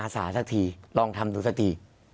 อาศาสักทีลองทำสักที